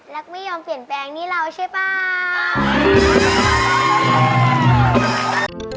ไม่ยอมเปลี่ยนแปลงนี่เราใช่เปล่า